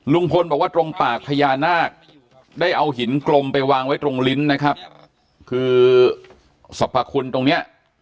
ลุงพลบอกว่าตรงปากพญานาคได้เอาหินกลมไปวางไว้ตรงลิ้นนะครับคือสรรพคุณตรงเนี้ย